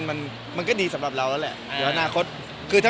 มันก็ดีสำหรับเราแล้วแหละ